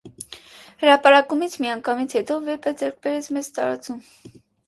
Հրապարակումից միանգամից հետո վեպը ձեռք բերեց մեծ տարածում։